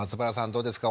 どうですか？